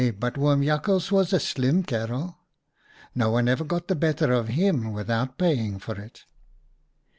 but Oom Jakhals was a slim kerel ! No one ever got the better of him without paying for it."